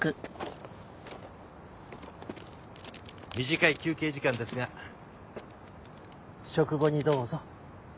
短い休憩時間ですが食後にどうぞ。